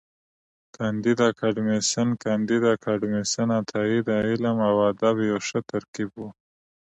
کانديد اکاډميسن کانديد اکاډميسن عطایي د علم او ادب یو ښه ترکیب و.